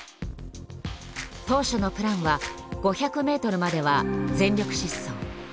当初のプランは５００ｍまでは全力疾走。